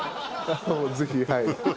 ぜひはい。